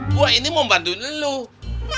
gue ini mau bantuin lo